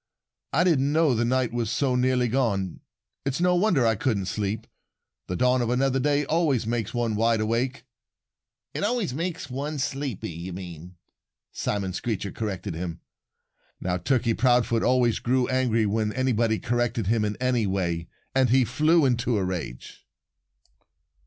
"I didn't know the night was so nearly gone. It's no wonder I couldn't sleep. The dawn of another day always makes one wide awake." "It always makes one sleepy, you mean," Simon Screecher corrected him. Now, Turkey Proudfoot always grew angry when anybody corrected him in any way. And he flew into a rage.